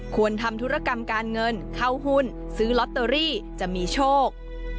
ควรทำธุรกรรมการเงินเข้าหุ้นซื้อลอตเตอรี่จะมีโชค